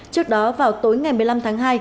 trước đó vào tối ngày một mươi năm tháng hai